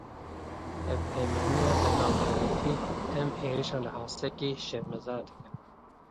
Hevpeymaniya Navdewletî: Em êrîşa li Hesekê şermezar dikin.